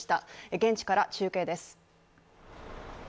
現地から中継です。